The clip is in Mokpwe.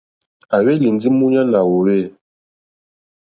À hwélì ndí múɲánà wòòwê.